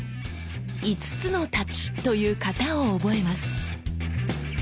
「五津之太刀」という型を覚えます。